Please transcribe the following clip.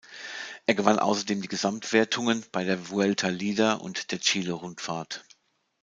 Er gewann außerdem die Gesamtwertungen bei der Vuelta Lider und der Chile-Rundfahrt.